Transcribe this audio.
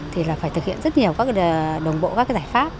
thì phải thực hiện rất nhiều đồng bộ các giải pháp